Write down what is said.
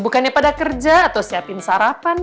bukannya pada kerja atau siapin sarapan